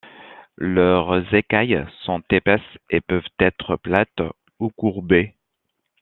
Leurs écailles sont épaisses et peuvent être plates ou courbées.